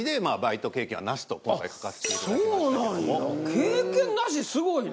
経験なしすごいな。